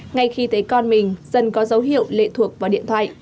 ngay khi thấy con mình dần có dấu hiệu lệ thuộc vào điện thoại